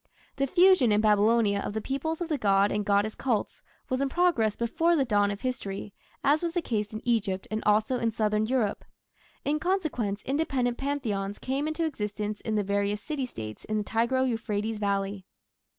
The fusion in Babylonia of the peoples of the god and goddess cults was in progress before the dawn of history, as was the case in Egypt and also in southern Europe. In consequence independent Pantheons came into existence in the various city States in the Tigro Euphrates valley.